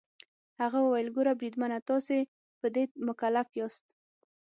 هغه وویل: ګوره بریدمنه، تاسي په دې مکلف یاست.